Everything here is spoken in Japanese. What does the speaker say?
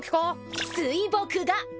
水墨画！